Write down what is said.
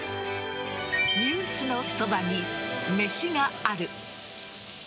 「ニュースのそばに、めしがある。」